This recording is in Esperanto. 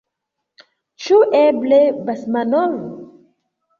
Ĉu eble Basmanov?